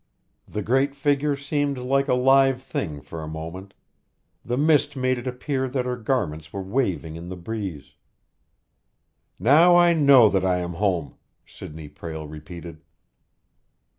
The great figure seemed like a live thing for a moment; the mist made it appear that her garments were waving in the breeze. "Now I know that I am home!" Sidney Prale repeated.